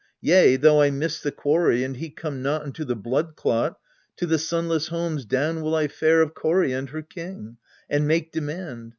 Yea, though I miss the quarry, and he come not Unto the blood clot, to the sunless homes Down will I fare of Kore and her king, And make demand.